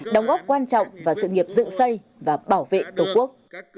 đóng góp quan trọng vào sự nghiệp dựng xây và bảo vệ tổ quốc